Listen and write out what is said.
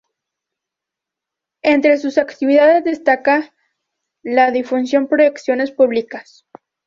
Entre sus actividades destaca la difusión -proyecciones públicas-.